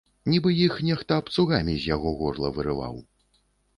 Нібы іх нехта абцугамі з яго горла вырываў.